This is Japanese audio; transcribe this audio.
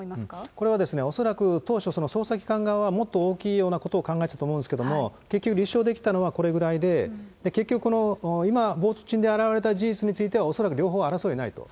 これはですね、恐らく当初、捜査機関側はもっと大きいようなことを考えてたと思うんですけど、結局、立証できたのはこれぐらいで、結局この今、冒頭陳述であらわれた事実については恐らく両方は争えないと。